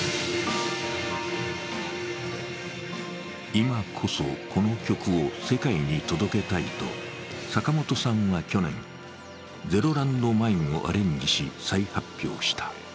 今こそ、この曲を世界に届けたいと坂本さんは去年、「ＺＥＲＯＬＡＮＤＭＩＮＥ」をアレンジし再発表した。